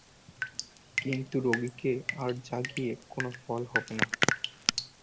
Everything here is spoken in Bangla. কিন্তু রোগীকে আর জাগিয়ে কোনো ফল হবে না।